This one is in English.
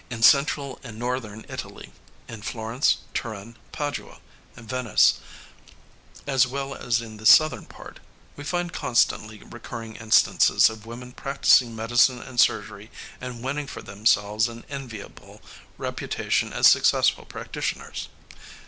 " In central and northern Italy in Florence, Turin, Padua, Venice as well as in the southern part, we find constantly recurring instances of women practicing medicine and surgery and winning for themselves an enviable reputation as successful practitioners.